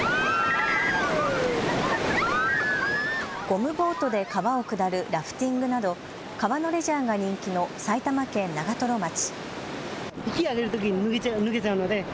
ゴムボートで川を下るラフティングなど川のレジャーが人気の埼玉県長瀞町。